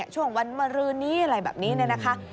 ช่วงวันมรื้อนี้อะไรแบบนี้นะ